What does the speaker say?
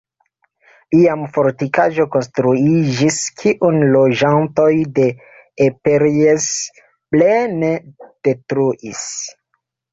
Iam fortikaĵo konstruiĝis, kiun loĝantoj de Eperjes plene detruis.